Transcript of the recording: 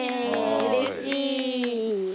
うれしい。